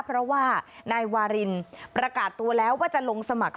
เพราะว่านายวารินประกาศตัวแล้วว่าจะลงสมัคร